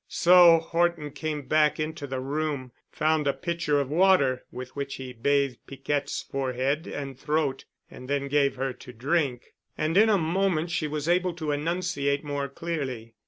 So Horton came back into the room, found a pitcher of water, with which he bathed Piquette's forehead and throat and then gave her to drink. And in a moment she was able to enunciate more clearly.